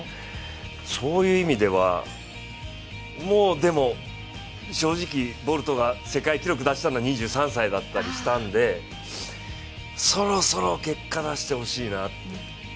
そういう意味では、もうでも正直、ボルトが世界記録出したのは２３歳だったりしたんでそろそろ結果、出してほしいな。